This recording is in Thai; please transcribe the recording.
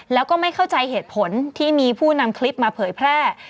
แล้วก็ไม่เข้าใจเหตุผลที่มีผู้นำคลิปมาเผยแพร่